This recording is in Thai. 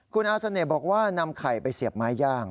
คุณอาเสน่ห์บอกว่านำไข่ไปเสียบไม้ย่าง